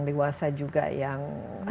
dewasa juga yang